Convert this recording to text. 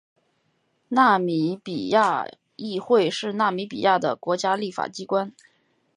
纳米比亚议会是纳米比亚的国家立法机关。